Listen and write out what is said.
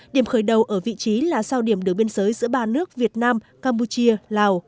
điểm khởi đầu ở vị trí là sau điểm đường biên giới giữa ba nước việt nam campuchia lào